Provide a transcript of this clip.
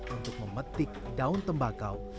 untuk memetik daun tembakau